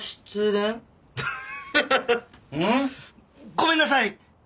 ごめんなさい！